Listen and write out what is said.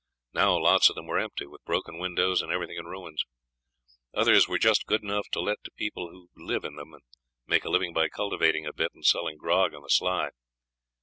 Now lots of them were empty, with broken windows and everything in ruins; others were just good enough to let to people who would live in them, and make a living by cultivating a bit and selling grog on the sly.